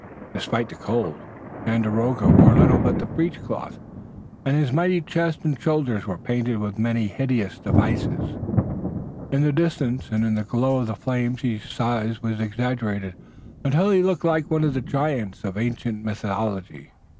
Despite the cold, Tandakora wore little but the breechcloth, and his mighty chest and shoulders were painted with many hideous devices. In the distance and in the glow of the flames his size was exaggerated until he looked like one of the giants of ancient mythology.